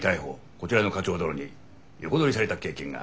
こちらの課長殿に横取りされた経験があるので。